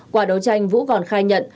quả đấu tranh vũ còn khai nhận